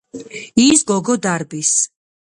ის გოგო დარბის.